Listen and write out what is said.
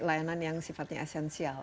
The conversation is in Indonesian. layanan yang sifatnya esensial